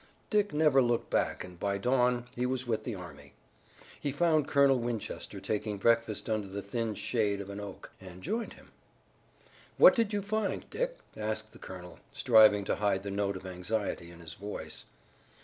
Dick never looked back and by dawn he was with the army. He found Colonel Winchester taking breakfast under the thin shade of an oak, and joined him. "What did you find, Dick?" asked the colonel, striving to hide the note of anxiety in his voice.